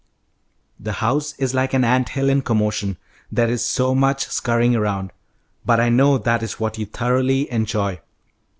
"The house is like an ant hill in commotion, there is so much scurrying around; but I know that is what you thoroughly enjoy.